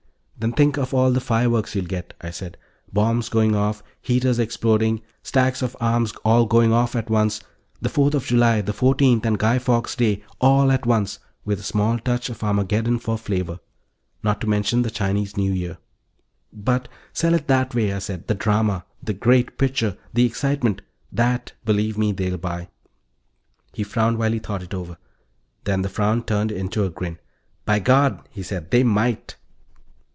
"Then think of all the fireworks you'll get," I said. "Bombs going off, heaters exploding, stacks of arms all going off at once the Fourth of July, the Fourteenth, and Guy Fawkes Day, all at once, with a small touch of Armageddon for flavor. Not to mention the Chinese New Year." "But " "Sell it that way," I said. "The drama. The great picture. The excitement. That, believe me, they'll buy." He frowned while he thought it over. Then the frown turned into a grin. "By God," he said, "they might."